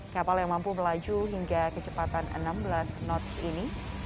kapal yang mampu melaju hingga kecepatan enam belas knots ini